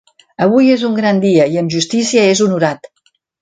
Avui és un gran dia i amb justícia és honorat.